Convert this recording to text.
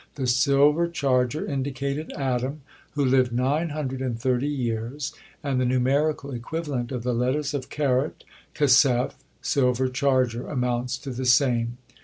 The silver charger indicated Adam, who lived nine hundred and thirty years, and the numerical equivalent of the letters of Kaarat Kesef, "silver charger," amounts to the same.